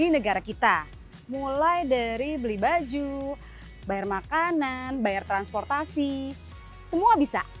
negara kita mulai dari beli baju bayar makanan bayar transportasi semua bisa